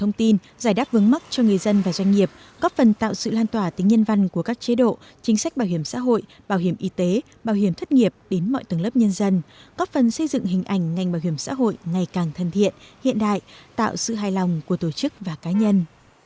giải đáp vấn mắc cho người dân và doanh nghiệp góp phần tạo sự lan tỏa tính nhân văn của các chế độ chính sách bảo hiểm xã hội bảo hiểm y tế bảo hiểm thất nghiệp đến mọi tầng lớp nhân dân góp phần xây dựng hình ảnh ngành bảo hiểm xã hội ngày càng thân thiện hiện đại tạo sự hài lòng của tổ chức và cá nhân